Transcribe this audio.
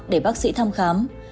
để bác sĩ thăm khám